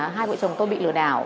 hai vợ chồng tôi bị lừa đảo